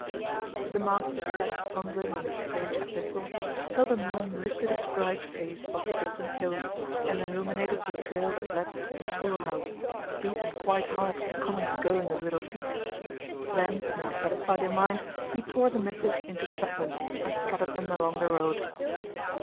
The master sat pondering on this strange epistle till the moon lifted its bright face above the distant hills, and illuminated the trail that led to the schoolhouse, beaten quite hard with the coming and going of little feet. Then, more satisfied in mind, he tore the missive into fragments and scattered them along the road.